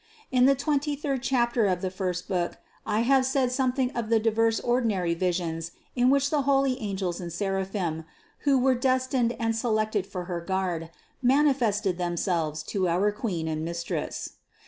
In the twenty third chapter of the first book I have said something of the diverse ordi nary visions in which the holy angels and seraphim, who were destined and selected for her guard, manifested themselves to our Queen and Mistress.